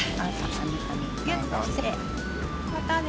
またね。